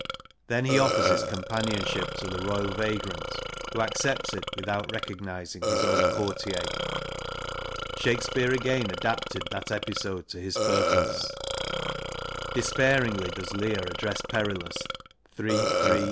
Then he offers his companionship to the royal vagrant, who accepts it without recognising his old courtier. Shakespeare again adapted that episode to his purpose. Despairingly does Leir address Perillus (III. Hi.